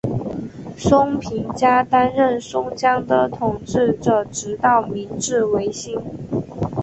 松平家担任松江的统治者直到明治维新。